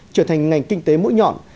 trở thành ngành kinh tế mũi nhọn